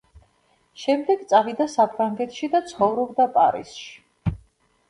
შემდეგ წავიდა საფრანგეთში და ცხოვრობდა პარიზში.